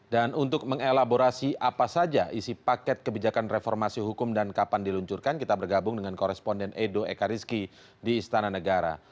dan untuk mengelaborasi apa saja isi paket kebijakan reformasi hukum dan kapan diluncurkan kita bergabung dengan koresponden edo ekarizki di istana negara